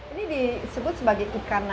ini disebut sebagai ikan